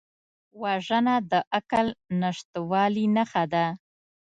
وژنه د عقل نشتوالي نښه ده